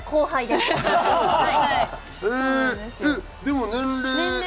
でも年齢？